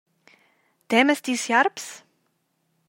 Temas ti siarps?